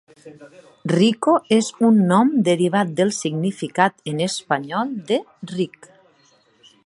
Rico és un nom derivat del significat en espanyol "ric".